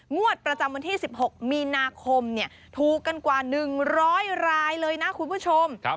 งวดประจำวันที่๑๖มีนาคมถูกกันกว่า๑๐๐รายเลยนะคุณผู้ชม